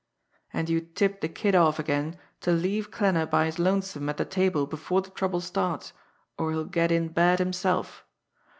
And you tip the Kid off again to leave Klanner by his lonesome at the table before the trouble starts, or he'll get in bad himself.